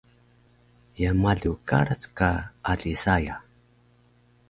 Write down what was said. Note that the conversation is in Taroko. Ye malu karac ka ali saya?